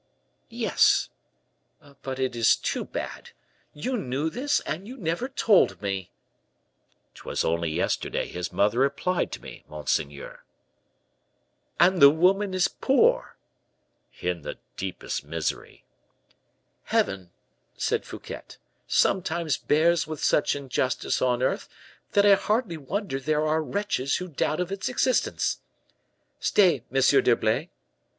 "Yes. But it is too bad. You knew this, and you never told me!" "'Twas only yesterday his mother applied to me, monseigneur." "And the woman is poor!" "In the deepest misery." "Heaven," said Fouquet, "sometimes bears with such injustice on earth, that I hardly wonder there are wretches who doubt of its existence. Stay, M. d'Herblay."